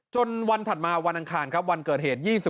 วันถัดมาวันอังคารครับวันเกิดเหตุ